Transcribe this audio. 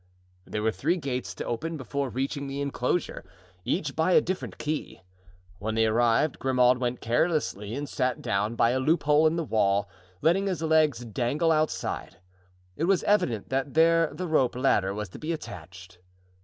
There were three gates to open before reaching the inclosure, each by a different key. When they arrived Grimaud went carelessly and sat down by a loophole in the wall, letting his legs dangle outside. It was evident that there the rope ladder was to be attached.